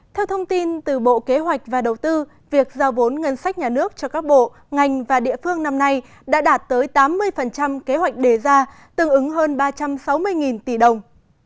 theo thông tin từ bộ kế hoạch và đầu tư việc giao vốn ngân sách nhà nước cho các bộ ngành và địa phương năm nay đã đạt tới tám mươi kế hoạch đề ra tương ứng hơn ba trăm sáu mươi tỷ đồng